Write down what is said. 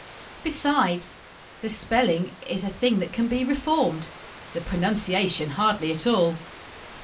Besides, the spelling is a thing that can be reformed the pronunciation hardly at all.